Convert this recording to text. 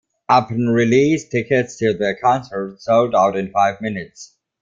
Upon release, tickets to the concert sold out in five minutes.